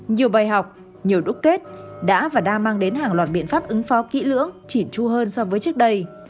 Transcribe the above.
nhiều bài học nhiều đúc kết đã và đang mang đến hàng loạt biện pháp ứng phó kỹ lưỡng chỉn chu hơn so với trước đây